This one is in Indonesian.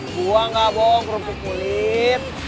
gua ga bong kerupuk kulit